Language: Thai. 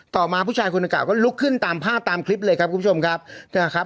ต่อมาผู้ชายคนเก่าก็ลุกขึ้นตามภาพตามคลิปเลยครับคุณผู้ชมครับนะครับ